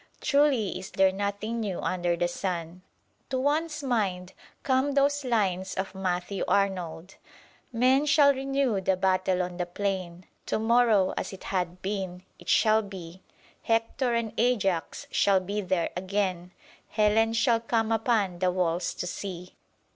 Truly is there nothing new under the sun. To one's mind come those lines of Matthew Arnold: "Men shall renew the battle on the plain; To morrow, as it hath been, it shall be; Hector and Ajax shall be there again; Helen shall come upon the walls to see."